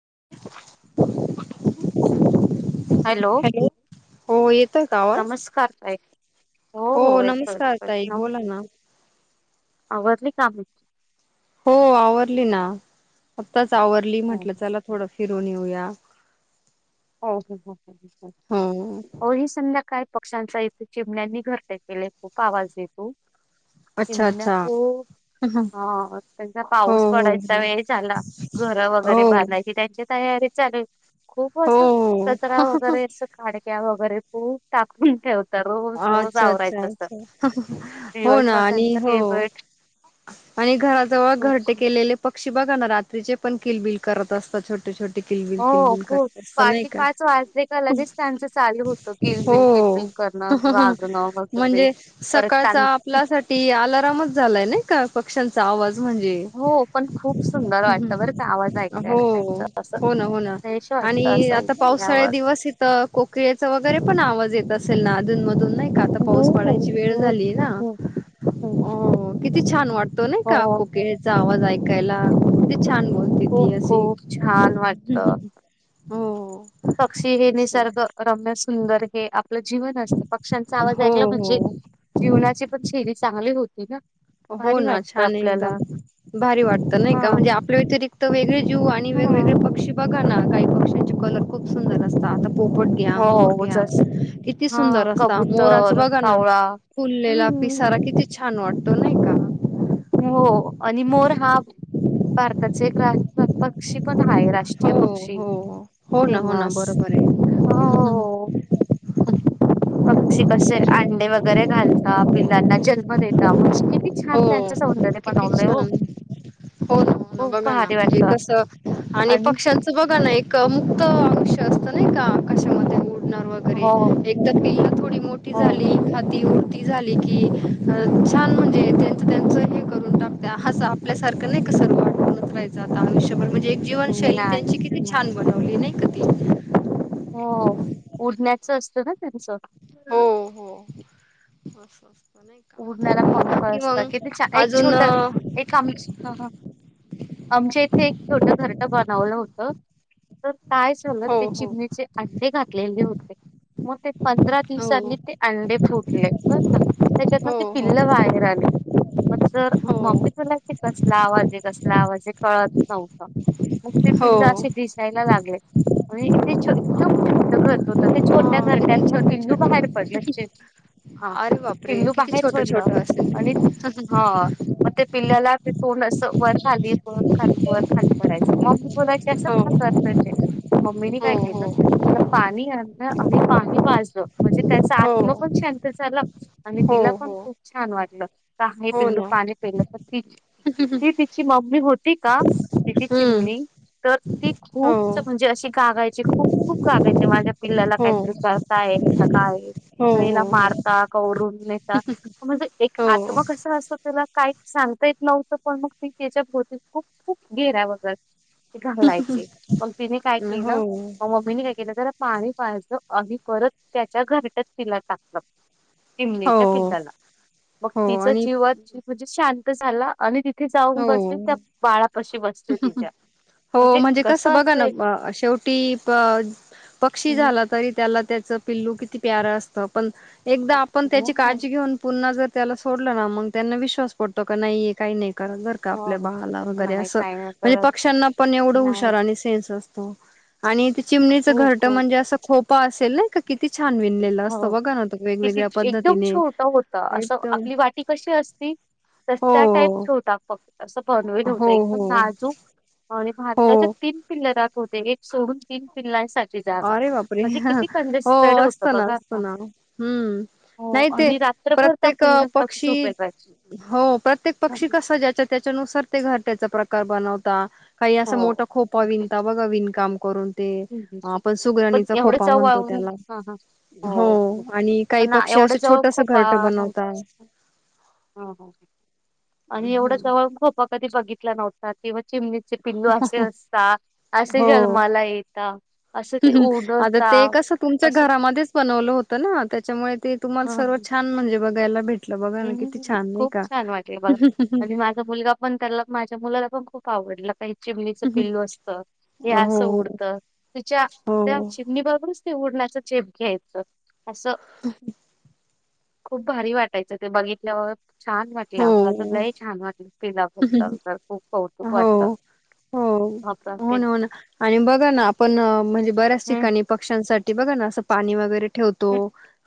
[unintelligible] Hello हो येतोय का आवाज नमस्कार ताई हो हो येतो नमस्कार ताई येतोय बोला ना आवरली कामे हो आवरली ना आत्ताच आवरली हो म्हटलं चला थोडस फिरून याऊ या हो हो ही संध्य काय पक्ष्यांचा इथे चिमण्यांनी घरटे केले खूप आवाज देतो अच्छा अच्छा [unintelligible] हा त्यांचा हो पाऊस हो पडायचा हो वेळ झाला घर वगैरे हो हो बांधयची त्यांची तयारी चालेल खूप असं हो कचरा वगैरे अस खाडक्या वगैरे खूप टाकून ठेवत अच्छा अच्छा अच्छा हो ना दिवसभर आणि त्यांचा हो केबट आणि घराजवळ घरटे केलेले पक्षी बग रात्रीचे पण किलबिल करत असतात छोटे छोटे किलबिल हो किलबिल खूप करत असत पा नाही का पाच वाजले का लगेच त्यांचं चालू होतं हो किलबिल किलबिल कर [unintelligible] म्हणजे सकाळचा आपल्यासाठी आलारमच झालाय ना का पक्ष्यांचा आवाज म्हणजे हो पण खूप सुंदर वाटतं बरं का आवाज हो ऐकायला त्यांचा हो ना हो ना फ्रेश वाटतं आणि असं आता पावसाळ्या उठल्यावर दिवस इथं कोकिळेयाचा वगैरे पण आवाज येत असेल ना अधून मधून नाही का आता पाऊस हो पडायची वेळ खूप झाली ना खूप खूप अ किती छान वाटतो ना हो का कोकेळचा आवाज ऐकायला छान बोलते खूप खूप छान वाटत तीे हो पक्षी हे निसर्ग रम्य सुंदर हे आपलं जीवन असत पक्ष्यांचा आवाज हो ऐकला म्हणजे हो जीवनाची पण शैली चांगली होती ना हो भारी ना वाटत छान आहे आपल्याला एकदम भारी वाटतं नाही का ह म्हणजे आपल्या व्यतिरिक्त वेगळे जीव आणि ह वेगवेगळे पक्षी बघा ना काही पक्ष्यांचे कलर खूप सुंदर असतात आता पोपट घ्या, मोर हो घ्या जस किती हा सुंदर असता मोराचं कबुतर, बघा ना कावळा फुललेला हम्म पिसारा किती छान वाटतो नाही का? हो आणि मोर हा भारताचा एक रा पक्षी पण आहे राष् हो ट्रीयपक्षी हो हो ना हो ना फेमस बरोबर आहे हो. पक्षी कसे अंडे वगैरे घालता पिलांना जन्म देता म्हणजे किती छान हो त्यांचा सौंदर्य किती बनवलंय हो. छान हो ना हो ना खूप बघा ना भारी म्हणजे वाटतं कसं आणि पक्ष्यांचा बघा ना ए क मुक्त अंश असतं नाही का आकाशामध्ये उड णार वगैरे हो एकदा पिल्ला थोडी मोठी हो झाली खाती झाली की हो. त्या हसा आपल्यासारखं नाही का सर्व आवूनच रायचं आता मनुष्यबर म्हण जे जीवनशैली नाही त्यांची किती नाही. छान बनवली नाही का ती हो उडण्याच असतं ना त्यांचा हो हो. नाही उडण्याला का आणि पंख बाकी असतं किती मग छान एक अजून छोटं अ, एक आमचं हा हा आमच्या इथे एक छोटं घरटं बनवलं हो तं तर काय झालत ते हो हो चिमणीचे अंडे घातलेले होते मग ते पंधरा दिवसांनी हो ते अंडे फुटले बरं का त्याच्यातील हो पिल्लं बाहेर आले मग सर हो हो मम्मी बोलायची कसला आवाज आहे कस ला आवाज आहे म कळत नव्हता. मग ते पिंड हो असे दिसायला लागले म्हणजे इत छो एकदम छोटं घरट होत ते छो हा त्या घरट्यात किती मग छोटे पिल्लू बाहेर छोटे पडलं चे अरे बाप पिल्लू बाहेर पडलं आणि हा मग ते पिल्ल्याला ते तोंड असं वर खाल [unintelligible] खालीकर खालीकर खाली कराय चा मग मी बोलायचा ते असं हो का करतोय ते, मम्मीने काय केला हो त्याला पाणी आणलं आणि पाणी पाजलं म्हणजे त्याचा हो आत्मा पण शांत झाला आणि हो हो तिला पण हो खूप छान वाटलं का हे हो पिल्लू ना पानी पेलं तर ती ती तिची मम्मी होती का तिची हम्म चिमणी तर ती हो खूपच म्हणजे अशी गागाय ची खूप-खूप गागयचे माझ्या पिल्लाला हो हो काहीतरी करता आहे असं काय हे हो त हिला हो मारता कवरून नेता म्हणजे एक हो आत्मा कसा असतं त्याला काही सांगता येत नव्हतं पण मग ती त्याच्या भोतीत खूप खूप घेऱ्या वगैर ते घालायचे मग तिने काय हो केलं मग मम्मीने काय केलं जर पाणी पायचा आणि परत त्याच्या घरटत तिला टाकलं. चिमणीच्या हो किल्ल्याला मग हो तिचा आणि जीवात जे म्हणजे शांत झाला आणि ति थे जाऊन बसली हो त्या बाळापाशी बसते तिच्या हो म्हणजे कस कसं बघा असं ना एक अ शेवटी अ पक्षी झाला तरी त्याला त्याचा पिल्लू किती प्यारा असतं पण एकदा आपण त्याची हो काळजी घेऊन पुन्हा जर त्याला सोड ला ना मग त्यांना विश्वास पडतो का नाही काही नाही करा घर का आपल्या बा हाला वगैरे नाही असं काय नाही म्हणजे करत पक्ष्यांना पण एवढं नाही हुशार आणि सेन्स असतो. आणि ते चिमणीचं खूप घरटं खूप म्हणजे अस खोपा असेल ना. का किती छान विणलेलं असतं हो बघा तो कि वेगवेगळ्या एकदम पद्धतीने छोटा होता असं अ एकदम आपली वाटी कशी असती तसं हो त्या टाईप छोटा फक्त असं [unintelligible] हो होतं हो एकदम लहा चो आणि भारताच्या हो तीन पिल्लया त्यात होते एक सोडून तीन पिल्लांन सा अरे बाप रे हो होतं असतो ना बघा असतो ना हम्म. हो नाही ते आणि रात्रभर त्या प्रत्येक पिल्लांपाशी पक्षी झोपेल पाहिजे हो प्रत्येक पक्षी कसा ज्याच्या त्याच्यानुसार ते घर त्याचा प्रकार बनवता काही असा मोठा हो खोपा विनता बघा विणकाम करून ते आपण पण सुगरणीचा एवढं खोपा चव म्हणतो वाळून त्याला हा हा हो आणि काही पण ना पक्षी एवढं असं जवळ छोटस खोपा घर पे बनवता नव्हता ह आणि एवढा हं. जवळ खोपा कधी बघितला नव्हता तेव चिमणीचे पिल्लू असे असता असे हो. जन्माला येता अस ते आता ओरडता. ते कसं तुमच्या घरामध्येच बनवलं होतं, ना त्याच्यामुळे ते तुम्हाला सर्व छान म्हणजे बघायला भेट हम हम हम खूप छान वाटले बघ आणि माझा मुलगा पण त्याला माझ्या मुलाला पण खूप आवडलं. काही चिमणीचं पिल्ल असतं हे हो असं उडत तिच्या हो त्या चिमणीबाबरच. ते उडण्याच झेप घ्यायचं असं खूप भारी वाटत. यच ते बघितल्यावर छान वाटलं हो आमला तुलाही छान वाटलं पिलाबद्दल जर खूप कौतुक वाटलं. हो हो आपण ते हो ना हो ना आणि बघा ना आपण म्हणजे. बऱ्याच हम्म ठिकाणी पक्ष्यांसाठी बघा ना असं पाणी वगैरे ठेवतो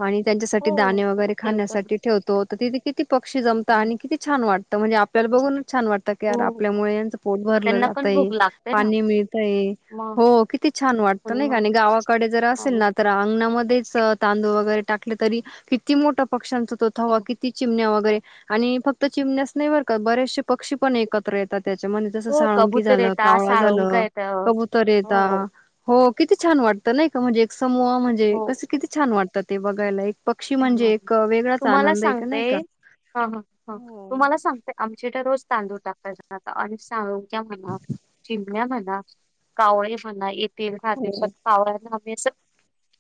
आणि त्यांच्यासाठी दाणे हो खूप वगैरे ठेवतात खाण्यासाठी ठेवतो तर तिथे किती पक्षी जम हं, आणि किती छान वाटतं म्हणजे आपल्याला बघून छान वाटत की यार खूप आपल्यामुळे यांचं पोट भरलं त्यांना पण जातय भूक लागते ना पाणी मिळतंय मग हो किती छान वाटत कोणी नाही का मग आणि गावाकडे जर असेल ना तर हं, अंगणामध्येच तांदूळ वगैरे टाकले तरी किती मोठा पक्ष्यांच हो तोथवा किती चिमण्या वगैरे आणि फक्त चिमण्याच नाही भरकत बरेचसे पक्षी पण एकत्र येत त्याच्या म तस हो साळुंकी कबुतर झालं, येतात कावळा साळुंका झालं, येत कबूतर येत हो हो. किती छान वाटतं नाही का म्हणजे एक समूह म्हणजे हो कस किती छान वाटतं ते बघायला एक पक्षी छान म्हणजे वाटलं एक वेगळाच आनंद आहे, का नाही का. ह हो. तुम्हाला सांगते आमच्या रोज तांदूळ टाकायचा आता आणि सांगू [unintelligible] म्हणा शिम्या म्हणा कावळे म्हणा ये राहील हो, कावळ्यांना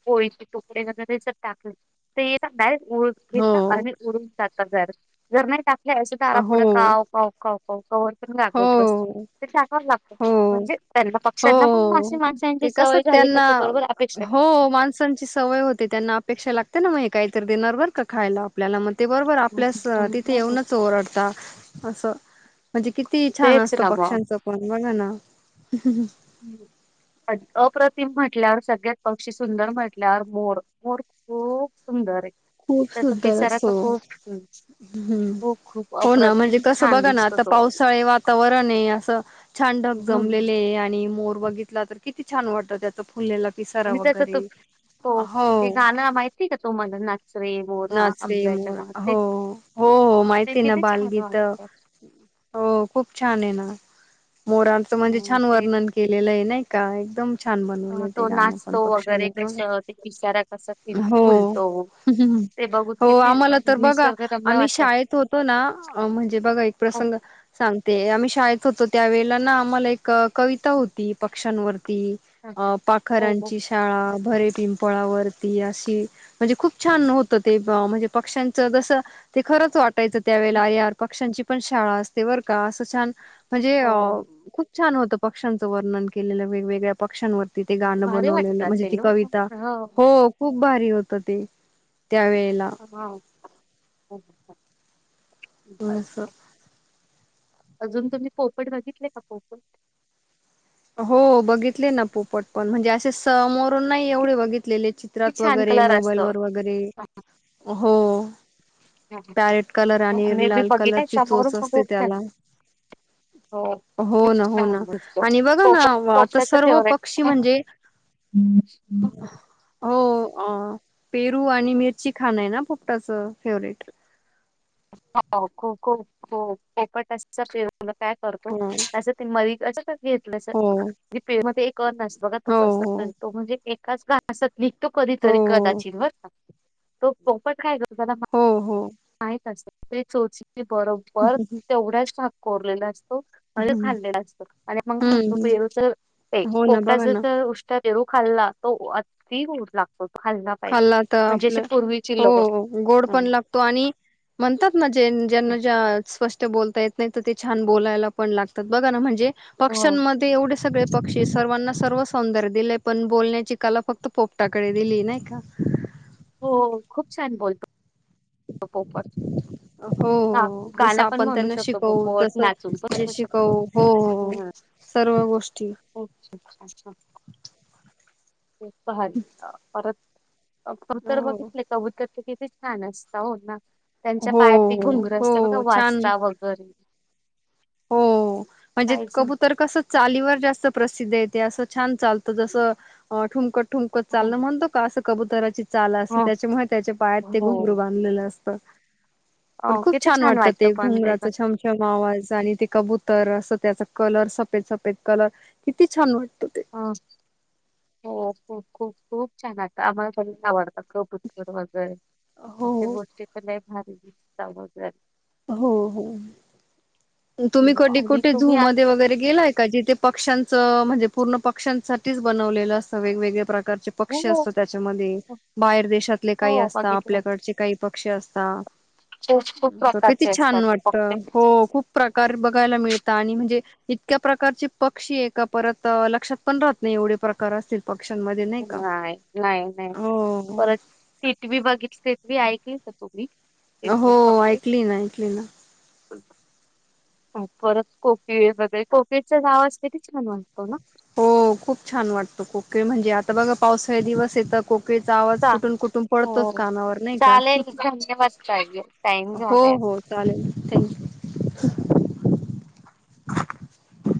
ळीचे तुकडे करण टाकले सय [unintelligible] उ घेता हो, आणि उडून जाता जर जर नाही टाकलं अस तर आरा पुुढं हो, काव काव का [unintelligible] हो बस ते टाका लागत हो. म्हणजे त्यांना हो पक्ष्यांना पण मासे हो माणांची ते कसं सवय झाली का त्यांना ते बरोबर अपेक्षा आहे. हो माणसांची सवय होते, त्यांना अपेक्षा लाग ते ना मग काहीतरी देणार का खायला आपल्याला मग. ते बरोबर आपल्यास तिथे येऊनच ओरडत असं म्हणजे कि ती छान तेच असत ना मग पक्ष्यांचं पण बघा ना हम्म पण अप्रतिम म्हटल्यावर सगळ्यात पक्षी सुंदर म्हटल्यावर मोर मोर खूप सुंदर आहे. खूप त्याचा सुंदर पिचारा तर असतो खूप [unintelligible] हम्म खूप खूप हो ना म्हणजे अप्रतिम कस छान बघा ना दिसतो आता पावसाळ वातावरण आहे असं छ कडक तो जमलेले आणि मोर बघितला तर किती छान वाटत त्याचा फुललेला पिसारा आणि त्याच त वगैरे हो ते गाणं माहितीय का तोमला नाच रे मोरा नाच रे आंब्याच्या माग मोरा ते हो हो हो ते माहिती आहे ना किती छान बालगीत. वाटतात हो खूप छान आहे ना. मोरांचं म्हणजे मग छान ते वर्णन केलेलं आहे, नाही का. एकदम छान अं, बनवलं ते तो गाणं पण नाचतो पक्ष [unintelligible] वगैरे कसं ते पिसारा कसा फुल हो ह फुलतो हं ह. ते बघून हो किती आम्हाला तर बघा निसर्गरम्य आम्ही वाटतात शाळेत होतो ना म्हणजे बघा एक हो प्रसंग सांगते आम्ही शाळेत होतो, त्यावेेळे ना आम्हाला एक कविता होती पक्षांवर ती अ हो हो पाखरांची शाळा भरे पिंपळावरती अशी म्हणजे खूप छान होती. ते म्हणजे पक्ष्यांच जस ते खरंच वाटायचं त्यावेळेला अरे यार पक्षांची पण शाळा असते बरं का असं छान म्हणजे हो खूप. छान होतं, पक्ष्यांचं वर्णन केलेलं वेगवेगळ्या पक्ष्यांवरती ति ते गाणं भारी वाटत बनवलेलं म्हणजे असेल ती ना हो कविता हा, हो खूप भारी होत ते. त्यावेेळेला हा [unintelligible] बस ने. हो अजून तुम्ही पोपट बघितले का पोपट? हो बघितले ना पोपट पण म्हणजे असे समोरून नाही एवढे बघितलेले. खूप चित्रात छान वगैरे कलर मोबाईल असतो वर वगैरे, हो. पॅरेट कलर आणि मी बी लाल कलर बघितलाय ची चोच समोरून पण असते खूप छान त्याला. हो हो खूप ना-हो ना छान दिसतो आणि बघ ना पोपट [unintelligible] आता पोपटाच सर्व फेवरेट पक्षी हो म्हणजे हो अ पेरू आणि मिरची खाणं आहे ना पोपटाच फेवरेट. हो को-को-को कोकट हो [unintelligible] त्याच का घेतलंस हो [unintelligible] मध्ये एक कण नसतो ग तो हो कस करतो म्हणजे कसा हसत निघतो कधीतरी हो हो कदाचित बरं का, तो पोपट काय त्याला [unintelligible] हो हो माहित असत ते चोच बरोबर तेवढ्याच टाक कोरलेलं अस तो अन हम्म खालेल्ला असतो आणि मग हम्म म्हणतो हम्म पेरूच ते हो ना बघा ना पोपटाचच ऊष्टा पेरू खाल्ला तो अती गोड लागतो. तो पाहिजे. खाल्ला तर म्हणजे असे आपलं पूर्वीची हो लोक गोड हो पण लागतो आणि म्हणतात ना जें-ज्यांना जा स्प ते बोलता येत नाही तर ते छान बोलायला पण लागतात बघा ना म्हणजे पक्ष्यांमध्ये एवढे सगळे पक्षी सर्वांना सर्व सौंदर्य दिलेय पण बोलण्याची कला फक्त पोपटाकडे दिली नाही का हो खूप छान बोलतो तो पोपट. हो हा हो जसं गाणं पण आपण म्हणू त्यांना शकतो शिकवू पोपट तसं नाचून जे पण [unintelligible] शकतो शिकवू हो हो हम्म्म हा. सर्व गोष्टी अच्छा [unintelligible] भारी अ परत तर हो बघितले कबूतर ते किती छान असत, हो ना. त्यांच्या हो पायात ते घुंगर असतं बघा हो छान वाजता वगैरे. हो म्हणजे कायच कबूतर कसं चालीवर जास्त प्रसिद्धेत. ते असं छान चालतं जसं अ ठुमकत ठुमकत हो चालणं म्हणतो का असं कबुतराची चाल असते हो त्याच्यामुळे त्याच्या पायात ते घुंगरू हो. बांधलेलं अस [unintelligible] अ पण खूप किती छान वाटत वाटतं ते पण घुंगराचा ग. छमछम आवाज आणि ते कबुतर असं त्याचा कलर सफेद-सफेद कलर किती छान वाट खूप-खूप छान असता आम्हाला सगळ्यांना आवडतात कबुतर वगैरे असे हो गोष्टी तर लै हरी [unintelligible] हो-हो. तुम्ही हो, कोडी आणि कुठे झू तुम्ही आज मध्ये वगैरे गेलाय का जिथे पक्ष्यांच म्हणजे पूर्ण पक्षांसाठीच बनवलेलं असतं वेगवेगळे प्र कारचे हो पक्षी हो असता त्याच्यामध्ये बाहेर देशातले काही हो, असता बघितलं आपल्याकडचे काही पक्षी असता. खूप खूप किती प्रकारचे असतात छान ते वाटत, पक्षी. हो खूप प्रकार बघायला मिळता आणि म्हणजे इतक्या प्रकारचे पक्षी, एका परत लक्षात पण राहत नाही एवढे प्रकार असतील. पक्ष्यांमध्ये नाही का नाही-नाही-नाही हो परत टिटवी बघितली ऐकली का तू? हो ऐकली ना - ऐकली ना. परत कोकीळ वगैरे कोकीळच आवाज कीती छान वाटतो ना? हो खूप छान वाटतं कोकीळ म्हणजे आता बघ पावसाळी दिवस येता कोकळीचा आवाज चा कुठून-कुठून पडतोच हो कानावर नाही का? चालेल धन्यवाद ताई टाइम झालाय. हो-हो चालेल थँक्यू. [unintelligible]